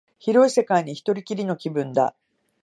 広い世界に一人きりの気分だ